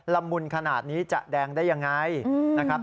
ละมุนขนาดนี้จะแดงได้ยังไงนะครับ